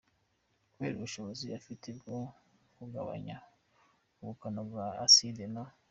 Kubera ubushobozi ifite bwo kugabanya ubukana bwa acide no